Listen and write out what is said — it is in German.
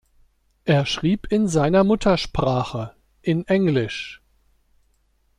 Er schrieb in seiner Muttersprache, in Englisch.